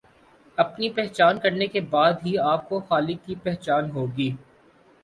اپنی پہچان کرنے کے بعد ہی آپ کو خالق کی پہچان ہوگی